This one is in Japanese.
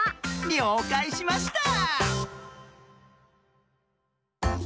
りょうかいしました。